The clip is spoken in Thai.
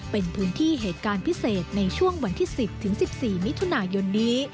เป็นพื้นที่เหตุการณ์พิเศษในช่วงวันที่๑๐๑๔มิถุนายนนี้